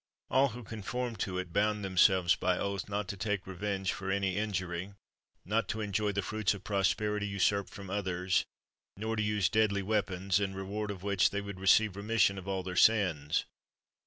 All who conformed to it bound themselves by oath not to take revenge for any injury, not to enjoy the fruits of property usurped from others, nor to use deadly weapons; in reward of which they would receive remission of all their sins.